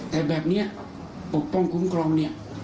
แต่แบบนี้ปกป้องคุ้มครองเนี่ย